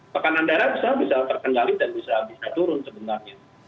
tekanan darah bisa terkendali dan bisa turun sebenarnya